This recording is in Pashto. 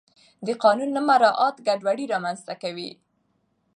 د قانون نه مراعت ګډوډي رامنځته کوي